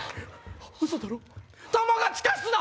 ウソだろ弾が地下室だ！